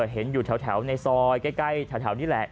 เห็นอยู่แถวในซอยใกล้แถวนี่แหละ